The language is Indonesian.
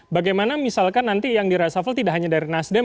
bagaimana misalkan nanti yang di resafel tidak hanya dari nasdem